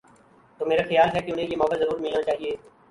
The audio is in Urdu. تو میرا خیال ہے کہ انہیں یہ موقع ضرور ملنا چاہیے۔